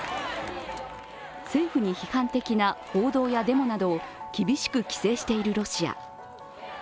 政府に批判的な報道やデモなどを厳しく規制しているロシア。